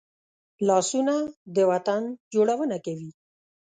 لاسونه د وطن جوړونه کوي